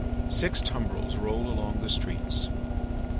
Six tumbrils roll along the streets.